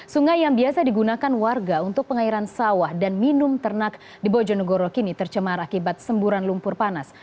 sungai yang biasa digunakan warga untuk pengairan sawah dan minum ternak di bojonegoro kini tercemar akibat semburan lumpur panas